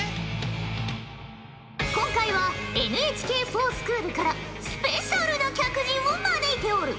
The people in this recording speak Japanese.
今回は「ＮＨＫｆｏｒＳｃｈｏｏｌ」からスペシャルな客人を招いておる！